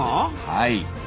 はい。